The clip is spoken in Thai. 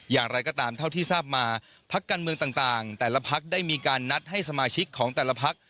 อย่างไรก็ตามเท่าที่ทราบมาพักการเมืองต่างแต่ละพักได้มีการนัดให้สมาชิกของแต่ละพัก